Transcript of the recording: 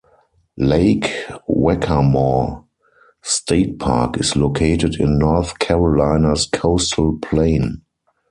Lake Waccamaw State Park is located in North Carolina's Coastal Plain.